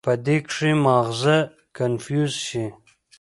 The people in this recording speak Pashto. پۀ دې کښې مازغه کنفيوز شي